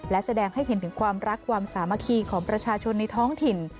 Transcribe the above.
และแสดงให้เห็นถึงความรักความสามัคคีของประชาชนในท้องถิ่น